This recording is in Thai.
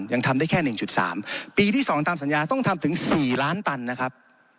ยังทำได้แค่หนึ่งจุดสามปีที่สองตามสัญญาต้องทำถึงสี่ล้านตันนะครับ